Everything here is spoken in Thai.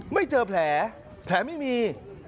ไม่เจอแผลแผลไม่มี